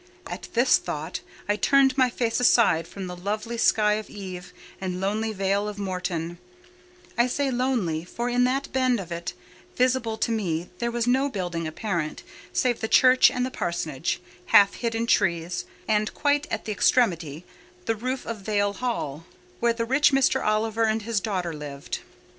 At this thought, I turned my face aside from the lovely sky of eve and lonely vale of Morton—I say lonely, for in that bend of it visible to me there was no building apparent save the church and the parsonage, half hid in trees, and, quite at the extremity, the roof of Vale Hall, where the rich Mr. Oliver and his daughter lived.